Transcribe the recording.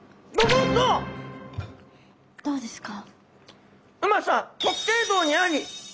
どうですか？